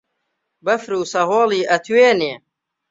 بەفر و سەهۆڵی ئەتوێنێ